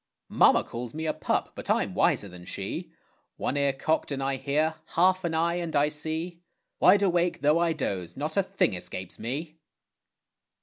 Mamma calls me a pup, but I'm wiser than she; One ear cocked and I hear, half an eye and I see; Wide awake though I doze, not a thing escapes me.